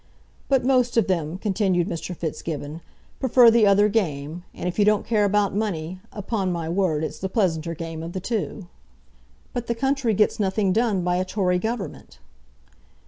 "But most of them," continued Mr. Fitzgibbon, "prefer the other game, and if you don't care about money, upon my word it's the pleasanter game of the two." "But the country gets nothing done by a Tory Government."